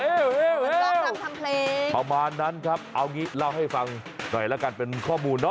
เอ้วเข้ามานั้นครับเอาอย่างนี้เล่าให้ฟังหน่อยแล้วกันเป็นข้อมูลเนอะ